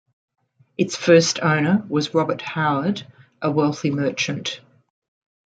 Its first owner was Robert Howard, a wealthy merchant.